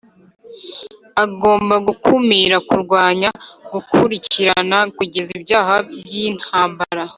Agomba gukumira kurwanya gukurikirana kugenza ibyaha by’intambara